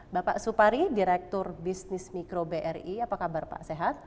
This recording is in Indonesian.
bapak supari direktur bisnis mikro bri apa kabar pak sehat